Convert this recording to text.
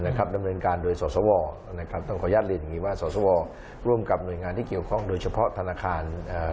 ดำเนินการโดยสสวนะครับต้องขออนุญาตเรียนอย่างนี้ว่าสสวร่วมกับหน่วยงานที่เกี่ยวข้องโดยเฉพาะธนาคาร